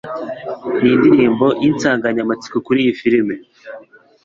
Nindirimbo Yinsanganyamatsiko Kuri iyi Filime?